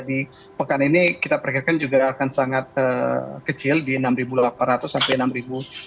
di pekan ini kita perikirkan juga akan sangat kecil di enam delapan ratus sampai enam sembilan ratus enam puluh satu